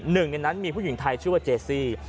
หนึ่งในนั้นมีผู้หญิงไทยชื่อว่าเจซี่